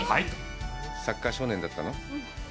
サッカー少年だったの？